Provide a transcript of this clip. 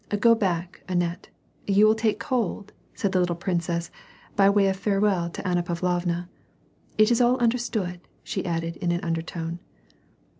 "Go back, Annette, you will take cold," said the little princess, by way of farewell to Anna Pavlovna. " It is all understood," she added, in an undertone.